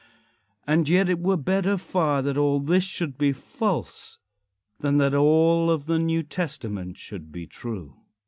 And yet it were better far that all this should be false than that all of the New Testament should be true.